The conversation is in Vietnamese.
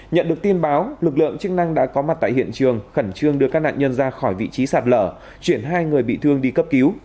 nhận được tin báo lực lượng chức năng đã có mặt tại hiện trường khẩn trương đưa các nạn nhân ra khỏi vị trí sạt lở chuyển hai người bị thương đi cấp cứu